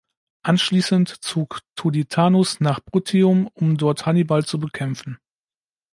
Anschließend zog Tuditanus nach Bruttium, um dort Hannibal zu bekämpfen.